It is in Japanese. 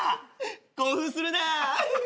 興奮するなぁ。